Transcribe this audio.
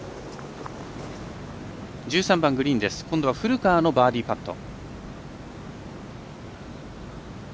１３番グリーン古川のバーディーパット。